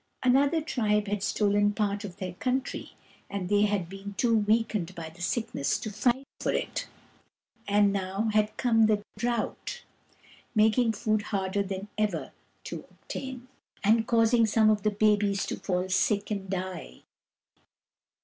Another tribe had stolen part of their country, and they had been too weakened by the sickness to fight for it ; and now had come the drought, making food harder than ever to obtain. 2i8 KUR BO ROO, THE BEAR and causing some of the babies to fall sick and die.